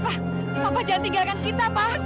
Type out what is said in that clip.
papa papa papa jangan tinggalkan kita pak